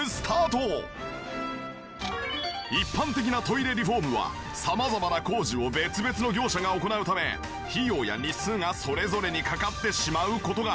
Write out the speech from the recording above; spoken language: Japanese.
一般的なトイレリフォームは様々な工事を別々の業者が行うため費用や日数がそれぞれにかかってしまう事が。